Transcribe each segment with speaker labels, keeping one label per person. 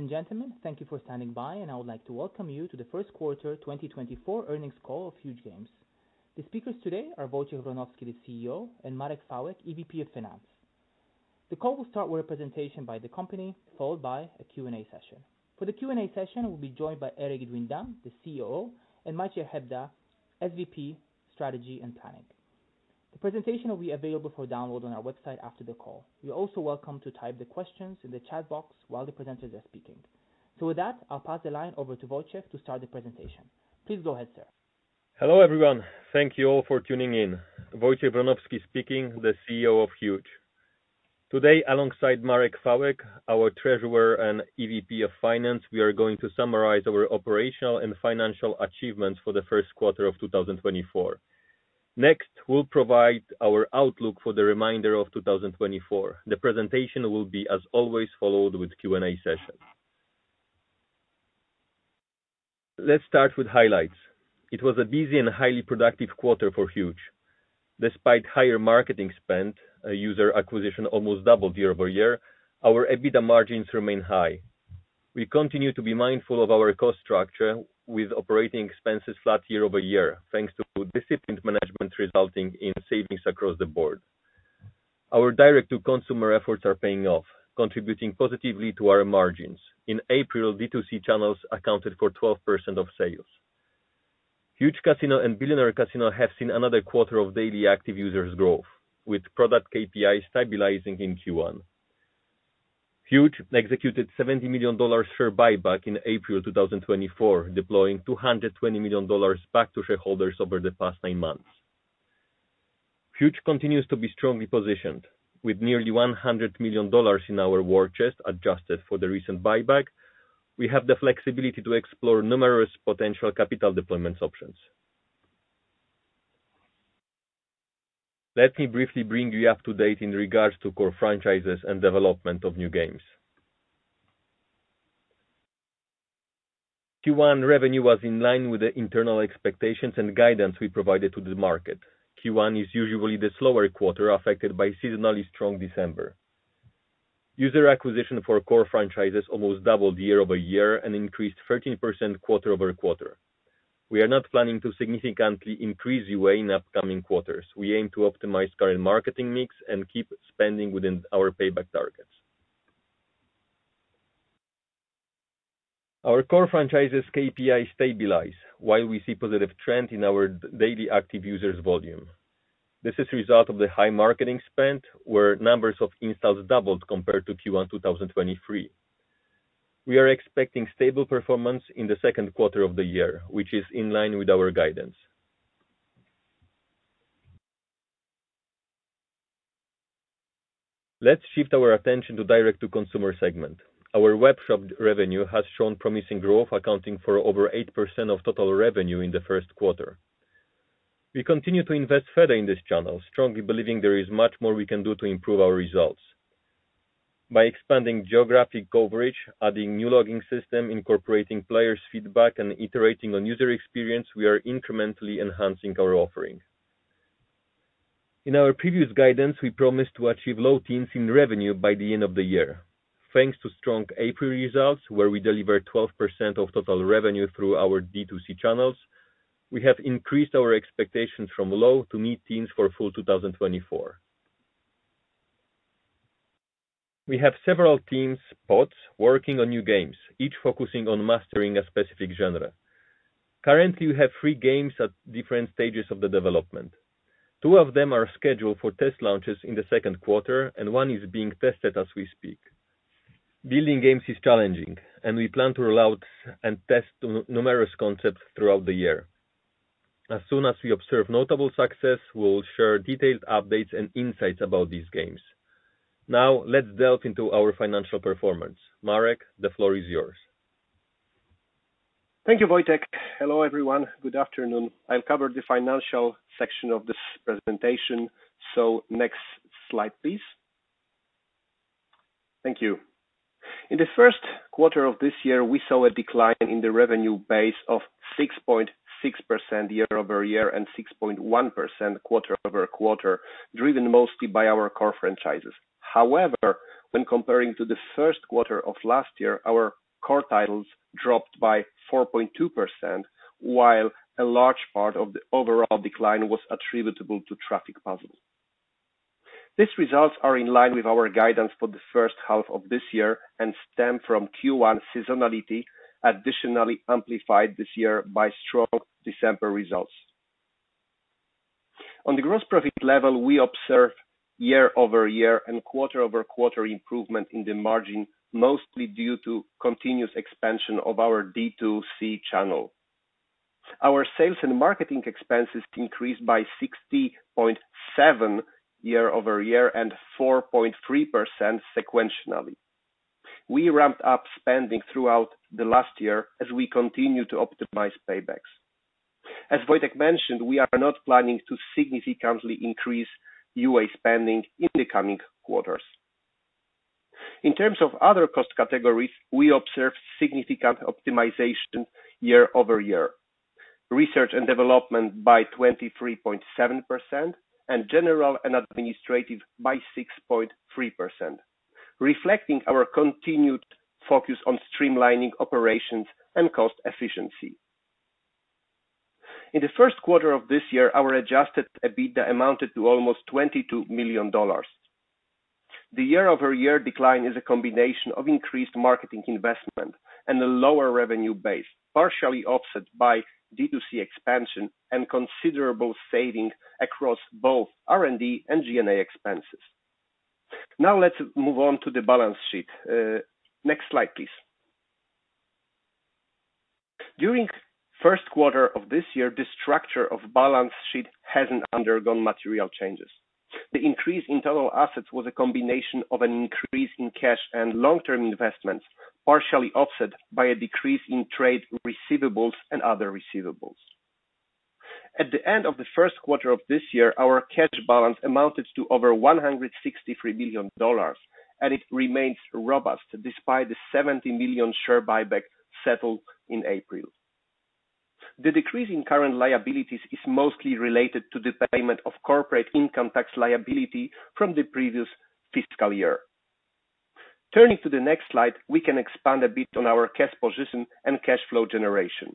Speaker 1: Ladies and gentlemen, thank you for standing by, and I would like to Welcome you to the first quarter 2024 earnings call of Huuuge. The speakers today are Wojciech Wronowski, the Chief Executive Officer, and Marek Chwałek, Executive Vice President of Finance. The call will start with a presentation by the company, followed by a Q&A session. For the Q&A session, we'll be joined by Erik Duindam, the Chief Operating Officer, and Maciej Hebda, Senior Vice President, Strategy and Planning. The presentation will be available for download on our website after the call. You're also welcome to type the questions in the chat box while the presenters are speaking. So with that, I'll pass the line over to Wojciech to start the presentation. Please go ahead, sir.
Speaker 2: Hello, everyone. Thank you all for tuning in. Wojciech Wronowski speaking, the CEO of Huuuge. Today, alongside Marek Chwałek, our treasurer and EVP of Finance, we are going to summarize our operational and financial achievements for the first quarter of 2024. Next, we'll provide our outlook for the remainder of 2024. The presentation will be, as always, followed with Q&A session. Let's start with highlights. It was a busy and highly productive quarter for Huuuge. Despite higher marketing spend, user acquisition almost doubled year-over-year, our EBITDA margins remain high. We continue to be mindful of our cost structure with operating expenses flat year-over-year, thanks to disciplined management, resulting in savings across the board. Our direct-to-consumer efforts are paying off, contributing positively to our margins. In April, D2C channels accounted for 12% of sales. Huuuge Casino and Billionaire Casino have seen another quarter of daily active users growth, with product KPI stabilizing in Q1. Huuuge executed $70 million share buyback in April 2024, deploying $220 million back to shareholders over the past nine months. Huuuge continues to be strongly positioned. With nearly $100 million in our war chest, adjusted for the recent buyback, we have the flexibility to explore numerous potential capital deployments options. Let me briefly bring you up to date in regards to core franchises and development of new games. Q1 revenue was in line with the internal expectations and guidance we provided to the market. Q1 is usually the slower quarter, affected by seasonally strong December. User acquisition for core franchises almost doubled year-over-year and increased 13% quarter-over-quarter. We are not planning to significantly increase UA in upcoming quarters. We aim to optimize current marketing mix and keep spending within our payback targets. Our core franchises' KPI stabilize, while we see positive trend in our daily active users volume. This is a result of the high marketing spend, where numbers of installs doubled compared to Q1 2023. We are expecting stable performance in the second quarter of the year, which is in line with our guidance. Let's shift our attention to direct-to-consumer segment. Our Webshop revenue has shown promising growth, accounting for over 8% of total revenue in the first quarter. We continue to invest further in this channel, strongly believing there is much more we can do to improve our results. By expanding geographic coverage, adding new logging system, incorporating players' feedback, and iterating on user experience, we are incrementally enhancing our offering. In our previous guidance, we promised to achieve low teens in revenue by the end of the year. Thanks to strong April results, where we delivered 12% of total revenue through our D2C channels, we have increased our expectations from low to mid-teens for full 2024. We have several teams, pods, working on new games, each focusing on mastering a specific genre. Currently, we have three games at different stages of the development. Two of them are scheduled for test launches in the second quarter, and one is being tested as we speak. Building games is challenging, and we plan to roll out and test numerous concepts throughout the year. As soon as we observe notable success, we'll share detailed updates and insights about these games. Now, let's delve into our financial performance. Marek, the floor is yours.
Speaker 3: Thank you, Wojciech. Hello, everyone. Good afternoon. I'll cover the financial section of this presentation, so next slide, please. Thank you. In the first quarter of this year, we saw a decline in the revenue base of 6.6% year-over-year and 6.1% quarter-over-quarter, driven mostly by our core franchises. However, when comparing to the first quarter of last year, our core titles dropped by 4.2%, while a large part of the overall decline was attributable to Traffic Puzzle. These results are in line with our guidance for the first half of this year and stem from Q1 seasonality, additionally amplified this year by strong December results. On the gross profit level, we observed year-over-year and quarter-over-quarter improvement in the margin, mostly due to continuous expansion of our D2C channel. Our sales and marketing expenses increased by 60.7% year-over-year and 4.3% sequentially. We ramped up spending throughout the last year as we continued to optimize paybacks. As Wojciech mentioned, we are not planning to significantly increase UA spending in the coming quarters. In terms of other cost categories, we observed significant optimization year-over-year. Research and development by 23.7%, and general and administrative by 6.3%, reflecting our continued focus on streamlining operations and cost efficiency. In the first quarter of this year, our adjusted EBITDA amounted to almost $22 million. The year-over-year decline is a combination of increased marketing investment and a lower revenue base, partially offset by D2C expansion and considerable savings across both R&D and G&A expenses. Now, let's move on to the balance sheet. Next slide, please. During the first quarter of this year, the structure of the balance sheet hasn't undergone material changes. The increase in total assets was a combination of an increase in cash and long-term investments, partially offset by a decrease in trade receivables and other receivables. At the end of the first quarter of this year, our cash balance amounted to over $163 million, and it remains robust despite the $70 million share buyback settled in April. The decrease in current liabilities is mostly related to the payment of corporate income tax liability from the previous fiscal year. Turning to the next slide, we can expand a bit on our cash position and cash flow generation.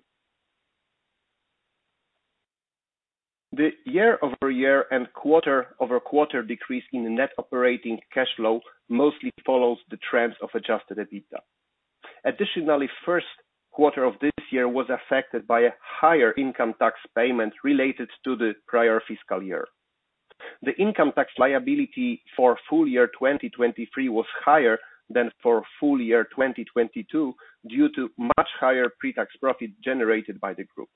Speaker 3: The year-over-year and quarter-over-quarter decrease in the net operating cash flow mostly follows the trends of Adjusted EBITDA. Additionally, first quarter of this year was affected by a higher income tax payment related to the prior fiscal year. The income tax liability for full year 2023 was higher than for full year 2022, due to much higher pre-tax profit generated by the group.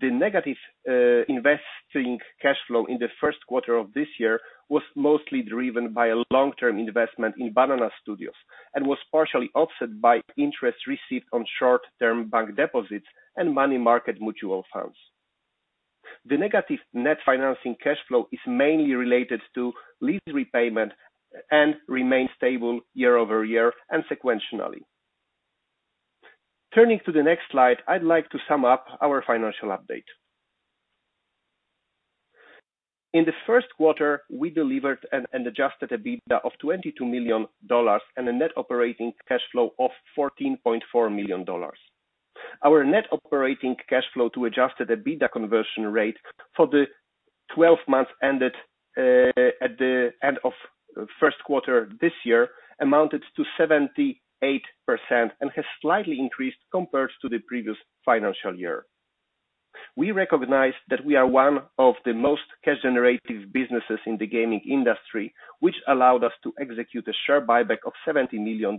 Speaker 3: The negative investing cash flow in the first quarter of this year was mostly driven by a long-term investment in Banana Studios, and was partially offset by interest received on short-term bank deposits and money market mutual funds. The negative net financing cash flow is mainly related to lease repayment, and remains stable year-over-year and sequentially. Turning to the next slide, I'd like to sum up our financial update. In the first quarter, we delivered an adjusted EBITDA of $22 million and a net operating cash flow of $14.4 million. Our net operating cash flow to adjusted EBITDA conversion rate for the 12 months ended at the end of first quarter this year amounted to 78%, and has slightly increased compared to the previous financial year. We recognize that we are one of the most cash-generative businesses in the gaming industry, which allowed us to execute a share buyback of $70 million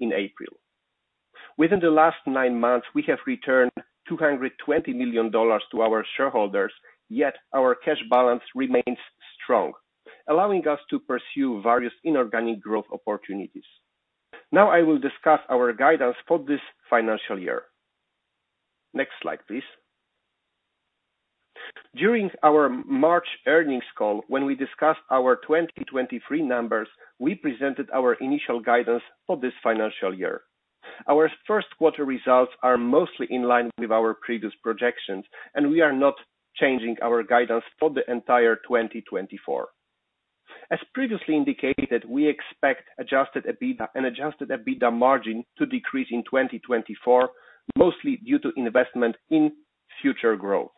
Speaker 3: in April. Within the last 9 months, we have returned $220 million to our shareholders, yet our cash balance remains strong, allowing us to pursue various inorganic growth opportunities. Now, I will discuss our guidance for this financial year. Next slide, please. During our March earnings call, when we discussed our 2023 numbers, we presented our initial guidance for this financial year. Our first quarter results are mostly in line with our previous projections, and we are not changing our guidance for the entire 2024. As previously indicated, we expect adjusted EBITDA and adjusted EBITDA margin to decrease in 2024, mostly due to investment in future growth.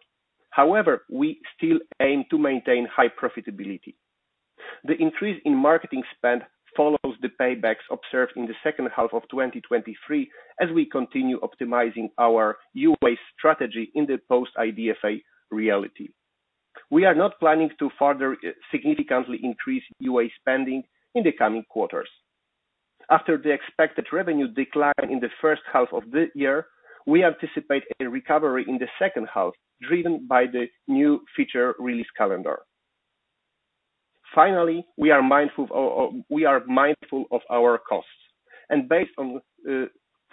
Speaker 3: However, we still aim to maintain high profitability. The increase in marketing spend follows the paybacks observed in the second half of 2023, as we continue optimizing our UA strategy in the post-IDFA reality. We are not planning to further significantly increase UA spending in the coming quarters. After the expected revenue decline in the first half of the year, we anticipate a recovery in the second half, driven by the new feature release calendar. Finally, we are mindful of... We are mindful of our costs, and based on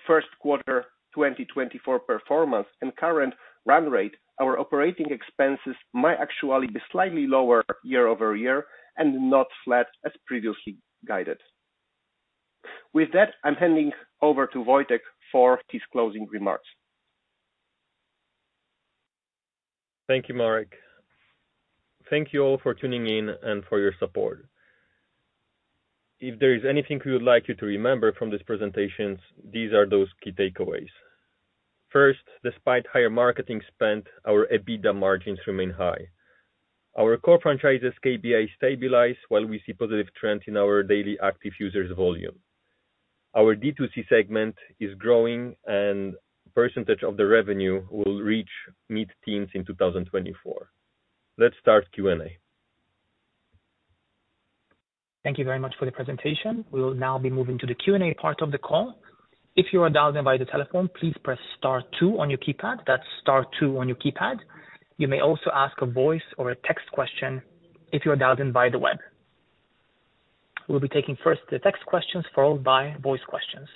Speaker 3: first quarter 2024 performance and current run rate, our operating expenses might actually be slightly lower year-over-year, and not flat as previously guided. With that, I'm handing over to Wojciech for his closing remarks.
Speaker 2: Thank you, Marek. Thank you all for tuning in and for your support. If there is anything we would like you to remember from these presentations, these are those key takeaways. First, despite higher marketing spend, our EBITDA margins remain high. Our core franchises KPI stabilize, while we see positive trends in our daily active users volume. Our D2C segment is growing, and percentage of the revenue will reach mid-teens in 2024. Let's start Q&A.
Speaker 1: Thank you very much for the presentation. We will now be moving to the Q&A part of the call. If you are dialed in by the telephone, please press star two on your keypad. That's star two on your keypad. You may also ask a voice or a text question if you are dialed in by the web. We'll be taking first the text questions, followed by voice questions.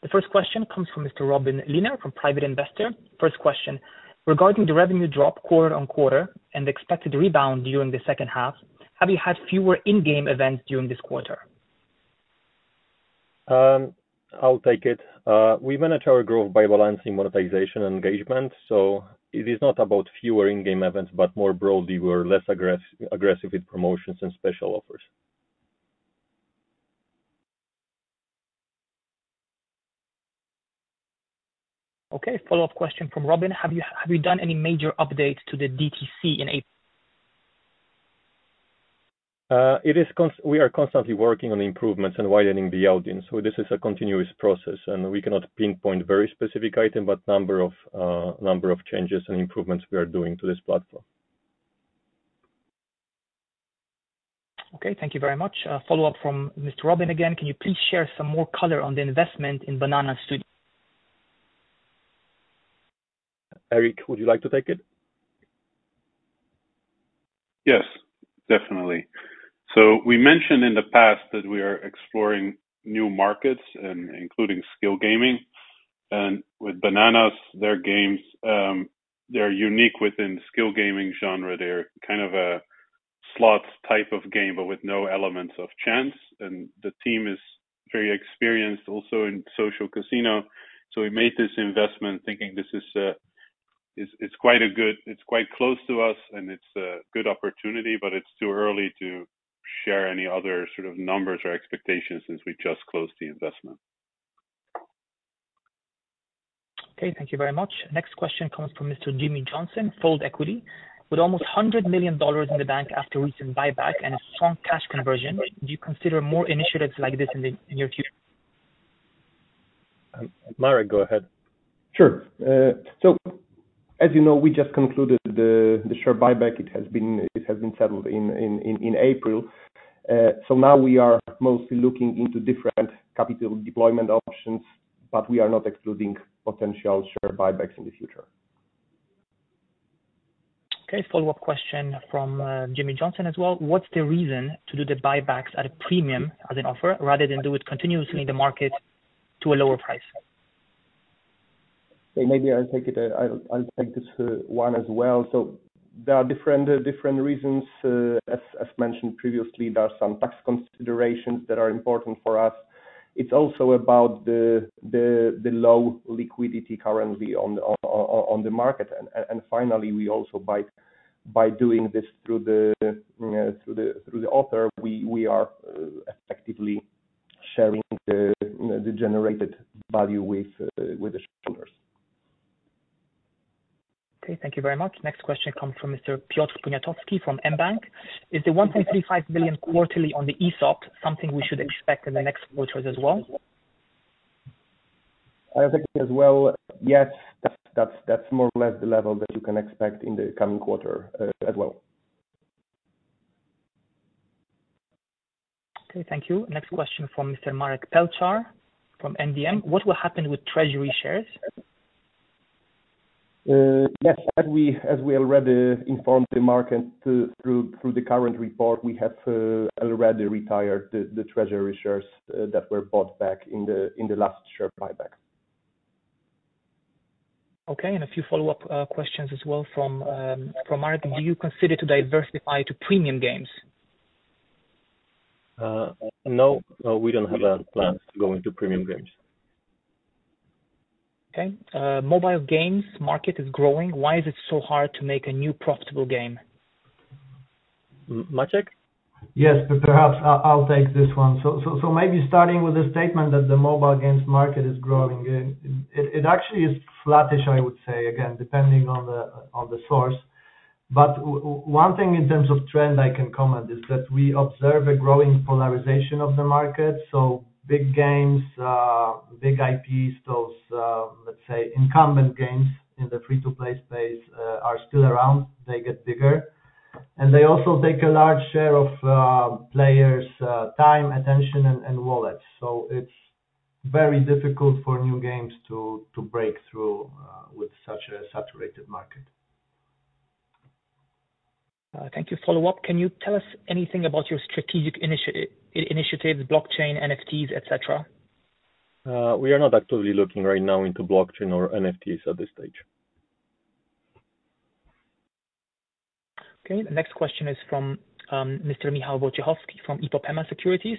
Speaker 1: The first question comes from Mr. Robin Liner from Private Investor. First question: Regarding the revenue drop quarter-over-quarter and the expected rebound during the second half, have you had fewer in-game events during this quarter?
Speaker 2: I'll take it. We manage our growth by balancing monetization and engagement, so it is not about fewer in-game events, but more broadly, we're less aggressive with promotions and special offers.
Speaker 1: Okay, follow-up question from Robin: Have you, have you done any major updates to the D2C in April?
Speaker 2: We are constantly working on improvements and widening the audience, so this is a continuous process, and we cannot pinpoint very specific item, but number of changes and improvements we are doing to this platform.
Speaker 1: Okay, thank you very much. Follow-up from Mr. Robin again. Can you please share some more color on the investment in Banana Studios?
Speaker 2: Erik, would you like to take it?
Speaker 4: Yes, definitely. So we mentioned in the past that we are exploring new markets, and including skill gaming, and with Banana Studios, their games, they're unique within the skill gaming genre. They're kind of a slots type of game, but with no elements of chance, and the team is very experienced also in social casino. So we made this investment thinking this is, it's, it's quite a good... It's quite close to us, and it's a good opportunity, but it's too early to share any other sort of numbers or expectations since we've just closed the investment.
Speaker 1: Okay, thank you very much. Next question comes from Mr. Jimmy Johnson, Fold Equity. With almost $100 million in the bank after recent buyback and a strong cash conversion, do you consider more initiatives like this in your future?
Speaker 2: Marek, go ahead.
Speaker 3: Sure. So as you know, we just concluded the share buyback. It has been settled in April. So now we are mostly looking into different capital deployment options, but we are not excluding potential share buybacks in the future.
Speaker 1: Okay, follow-up question from, Jimmy Johnson as well. What's the reason to do the buybacks at a premium as an offer, rather than do it continuously in the market to a lower price?
Speaker 3: So maybe I'll take it. I'll take this one as well. So there are different reasons. As mentioned previously, there are some tax considerations that are important for us. It's also about the low liquidity currently on the market. And finally, we also by doing this through the author, we are effectively sharing the generated value with the shareholders.
Speaker 1: Okay, thank you very much. Next question comes from Mr. Piotr Poniatowski, from mBank. Is the $1.35 million quarterly on the ESOP something we should expect in the next quarters as well?
Speaker 3: I think as well, yes, that's more or less the level that you can expect in the coming quarter, as well.
Speaker 1: Okay, thank you. Next question from Mr. Marek Pelchar from MDM. What will happen with treasury shares?
Speaker 3: Yes, as we already informed the market through the current report, we have already retired the treasury shares that were bought back in the last share buyback.
Speaker 1: Okay, and a few follow-up questions as well from Marek. Do you consider to diversify to premium games?
Speaker 2: No, no, we don't have a plan to go into premium games.
Speaker 1: Okay. Mobile games market is growing. Why is it so hard to make a new profitable game?
Speaker 2: Maciej?
Speaker 5: Yes, perhaps I'll take this one. So maybe starting with the statement that the mobile games market is growing, it actually is flattish, I would say, again, depending on the source. But one thing in terms of trend I can comment is that we observe a growing polarization of the market. So big games, big IPs, those, let's say, incumbent games in the free-to-play space are still around. They get bigger, and they also take a large share of players' time, attention, and wallets. So it's very difficult for new games to break through with such a saturated market.
Speaker 1: Thank you. Follow-up: Can you tell us anything about your strategic initiatives, blockchain, NFTs, et cetera?
Speaker 2: We are not actively looking right now into blockchain or NFTs at this stage.
Speaker 1: Okay, the next question is from Mr. Michał Wojciechowski from IPOPEMA Securities.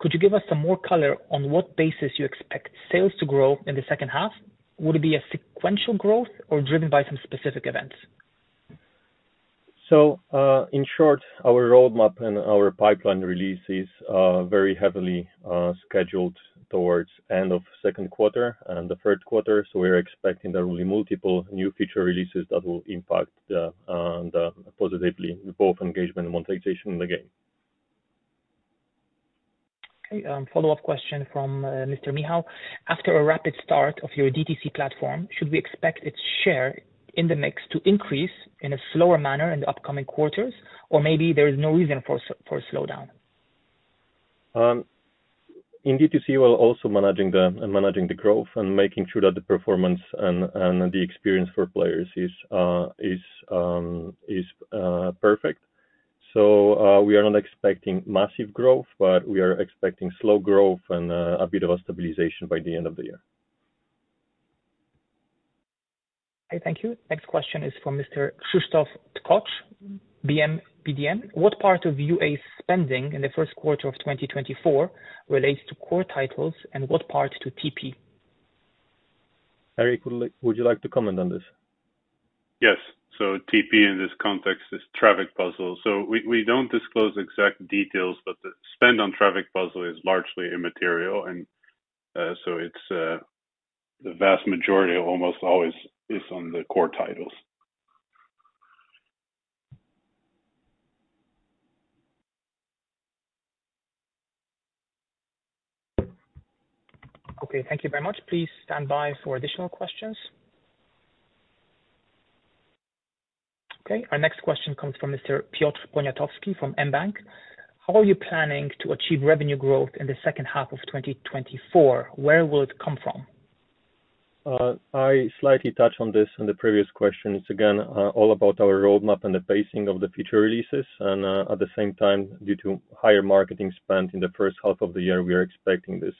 Speaker 1: Could you give us some more color on what basis you expect sales to grow in the second half? Would it be a sequential growth or driven by some specific events?
Speaker 2: In short, our roadmap and our pipeline release is very heavily scheduled toward the end of the second quarter and the third quarter. We're expecting there will be multiple new feature releases that will impact positively both engagement and monetization in the game.
Speaker 1: Okay, follow-up question from Mr. Michał. After a rapid start of your DTC platform, should we expect its share in the mix to increase in a slower manner in the upcoming quarters? Or maybe there is no reason for a slowdown?
Speaker 2: In D2C, we're also managing the growth and making sure that the performance and the experience for players is perfect. So, we are not expecting massive growth, but we are expecting slow growth and a bit of a stabilization by the end of the year.
Speaker 1: Okay, thank you. Next question is from Mr. Krzysztof Tkocz, DM BDM. What part of UA spending in the first quarter of 2024 relates to core titles, and what part to TP?
Speaker 2: Erik, would you like to comment on this?
Speaker 4: Yes. So TP in this context is Traffic Puzzle. So we don't disclose exact details, but the spend on Traffic Puzzle is largely immaterial, and so it's the vast majority almost always is on the core titles.
Speaker 1: Okay, thank you very much. Please stand by for additional questions. Okay, our next question comes from Mr. Piotr Poniatowski from mBank. How are you planning to achieve revenue growth in the second half of 2024? Where will it come from?
Speaker 2: I slightly touched on this in the previous questions. Again, all about our roadmap and the pacing of the future releases, and, at the same time, due to higher marketing spend in the first half of the year, we are expecting this,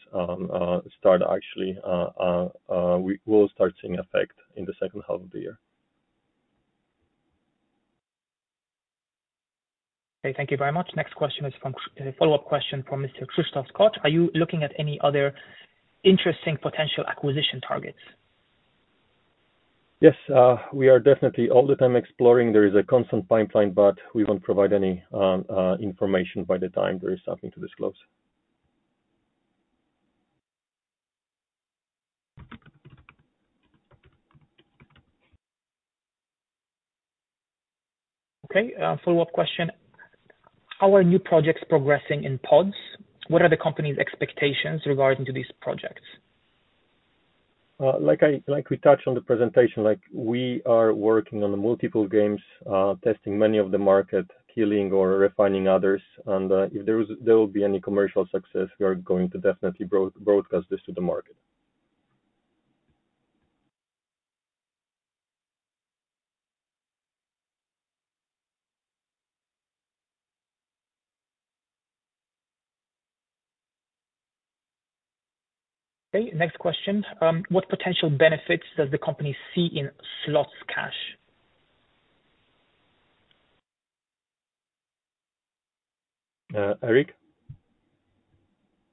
Speaker 2: we will start seeing effect in the second half of the year.
Speaker 1: Okay, thank you very much. Next question is from, a follow-up question from Mr. Krzysztof Tkocz. Are you looking at any other interesting potential acquisition targets?
Speaker 2: Yes, we are definitely all the time exploring. There is a constant pipeline, but we won't provide any information by the time there is something to disclose.
Speaker 1: Okay, a follow-up question. How are new projects progressing in pods? What are the company's expectations regarding to these projects?
Speaker 2: Like we touched on the presentation, like, we are working on the multiple games, testing many of the market, killing or refining others, and, if there is, there will be any commercial success, we are going to definitely broadcast this to the market.
Speaker 1: Okay, next question. What potential benefits does the company see in Slots Cash?
Speaker 2: Uh, Erik?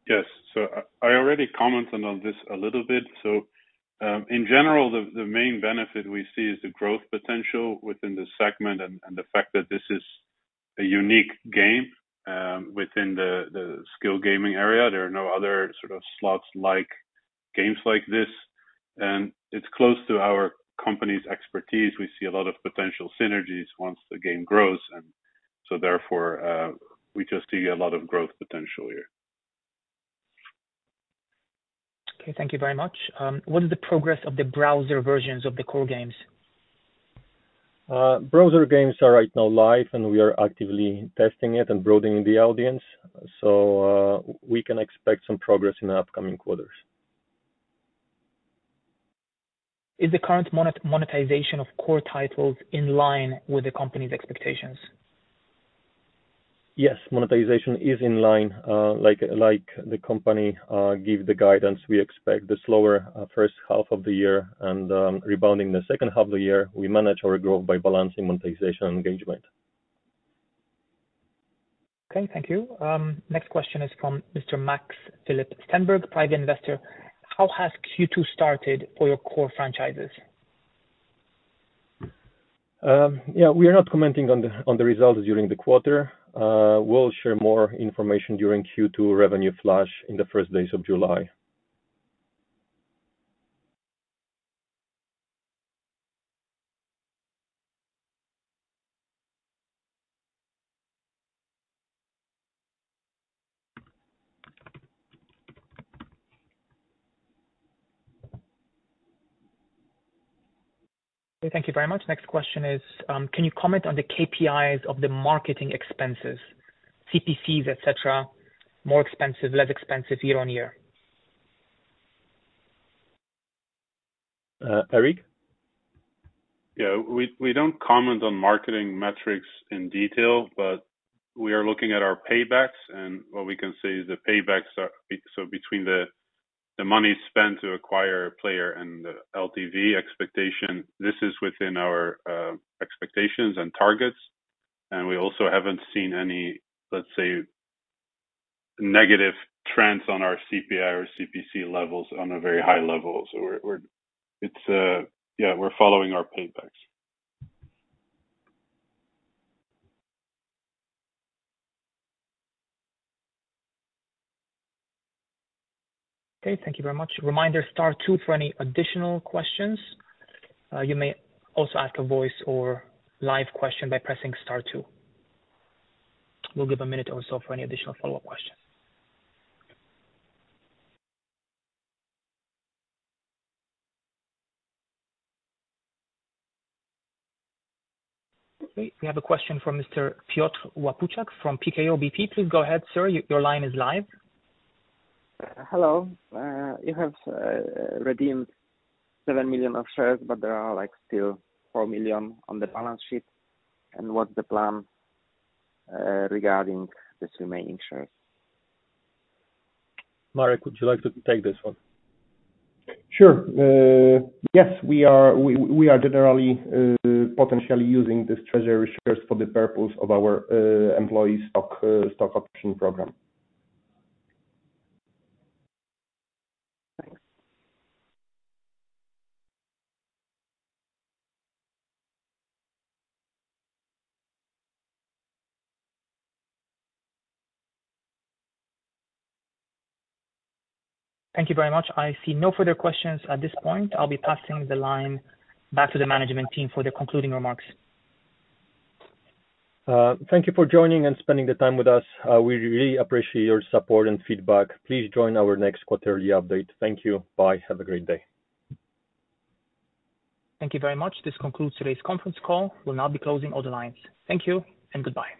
Speaker 4: Yes. So I already commented on this a little bit. So, in general, the main benefit we see is the growth potential within the segment and the fact that this is a unique game, within the skill gaming area. There are no other sort of slots like games like this, and it's close to our company's expertise. We see a lot of potential synergies once the game grows, and so therefore, we just see a lot of growth potential here.
Speaker 1: Okay, thank you very much. What is the progress of the browser versions of the core games?
Speaker 2: Browser games are right now live, and we are actively testing it and broadening the audience. So, we can expect some progress in the upcoming quarters.
Speaker 1: Is the current monetization of core titles in line with the company's expectations?
Speaker 2: Yes, monetization is in line. Like, like the company give the guidance, we expect the slower first half of the year and, rebounding the second half of the year. We manage our growth by balancing monetization and engagement.
Speaker 1: Okay, thank you. Next question is from Mr. Max Phillip Stenberg, private investor. How has Q2 started for your core franchises?
Speaker 2: Yeah, we are not commenting on the results during the quarter. We'll share more information during Q2 revenue flash in the first days of July.
Speaker 1: Thank you very much. Next question is, can you comment on the KPIs of the marketing expenses, CPCs, et cetera, more expensive, less expensive year on year?
Speaker 2: Uh, Erik?
Speaker 4: Yeah, we don't comment on marketing metrics in detail, but we are looking at our paybacks and what we can say is the paybacks are so between the money spent to acquire a player and the LTV expectation, this is within our expectations and targets. And we also haven't seen any, let's say, negative trends on our CPI or CPC levels on a very high level. So we're... yeah, we're following our paybacks.
Speaker 1: Okay, thank you very much. Reminder, star two for any additional questions. You may also ask a voice or live question by pressing star two. We'll give a minute or so for any additional follow-up questions. Okay, we have a question from Mr. Piotr Łopaciuk from PKO BP Securities. Please go ahead, sir, your line is live.
Speaker 6: Hello. You have redeemed 7 million of shares, but there are, like, still 4 million on the balance sheet. What's the plan regarding these remaining shares?
Speaker 2: Marek, would you like to take this one?
Speaker 3: Sure. Yes, we are generally potentially using these treasury shares for the purpose of our employee stock option program.
Speaker 6: Thanks.
Speaker 1: Thank you very much. I see no further questions at this point. I'll be passing the line back to the management team for the concluding remarks.
Speaker 2: Thank you for joining and spending the time with us. We really appreciate your support and feedback. Please join our next quarterly update. Thank you. Bye. Have a great day.
Speaker 1: Thank you very much. This concludes today's conference call. We'll now be closing all the lines. Thank you, and goodbye.